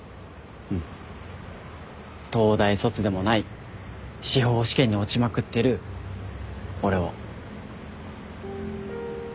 東大卒でもない司法試験に落ちまくってる俺を。